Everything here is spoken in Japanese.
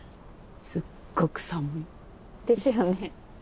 すっごく寒い。ですよね。